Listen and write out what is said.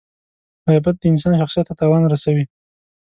• غیبت د انسان شخصیت ته تاوان رسوي.